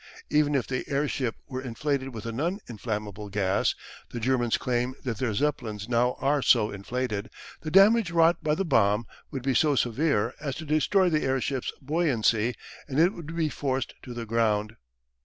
Even if the airship were inflated with a non inflammable gas the Germans claim that their Zeppelins now are so inflated the damage wrought by the bomb would be so severe as to destroy the airship's buoyancy, and it would be forced to the ground.